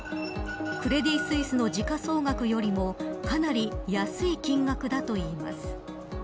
クレディ・スイスの時価総額よりもかなり安い金額だといいます。